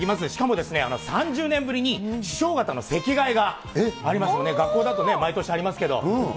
しかも３０年ぶりに師匠方の席替えがありますので、学校だとね、毎年ありますけど。